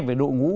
về đội ngũ